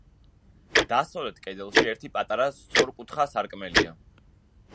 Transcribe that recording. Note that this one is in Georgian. დასავლეთ კედელში ერთი პატარა სწორკუთხა სარკმელია.